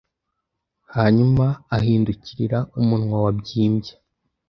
Hanyuma ahindukirira umunwa wabyimbye